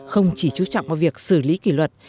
không chỉ trú trọng vào việc xử lý kỷ luật